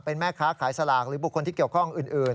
เป็นแม่ค้าขายสลากหรือบุคคลที่เกี่ยวข้องอื่น